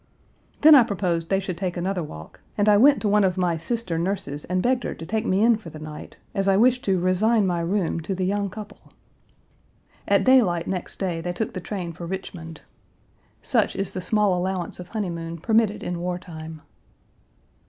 "Then I proposed they should take another walk, and I went to one of my sister nurses and begged her to take me in for the night, as I wished to resign my room to the young couple. At daylight next day they took the train for Page 186 Richmond." Such is the small allowance of honeymoon permitted in war time.